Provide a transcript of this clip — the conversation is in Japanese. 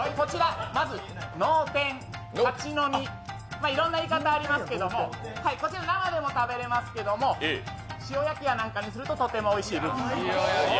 まず、脳天、はちのみ、いろいろな言い方ありますけれども、こちら生でも食べられますけれども、塩焼きやなんかにするととてもおいしいです。